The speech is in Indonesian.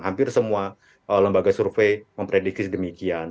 hampir semua lembaga survei memprediksi demikian